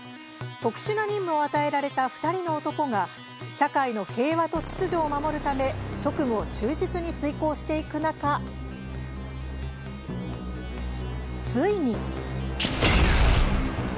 特殊な任務を与えられた２人の男が社会の平和と秩序を守るため職務を忠実に遂行していく中ついに！